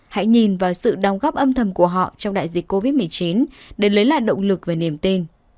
hãy nhìn vào sự đóng góp âm thầm của họ trong đại dịch covid một mươi chín để lấy lại động lực và niềm tin